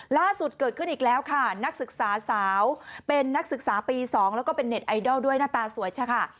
ล่าสุดเกิดขึ้นอีกแล้วค่ะนักศึกษาสาวเป็นนักศึกษาปี๒แล้วก็เป็นเน็ตไอดอลด้วยหน้าตาสวยใช่ค่ะ